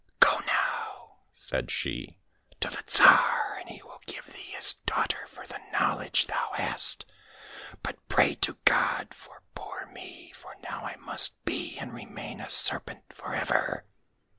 —" Go now," said she, " to the Tsar, and he will give thee his daughter for the knowledge thou hast. But pray to God for poor me, for now I must be and remain a serpent for ever."